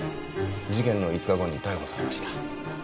事件の５日後に逮捕されました。